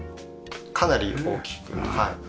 かなり大きくはい。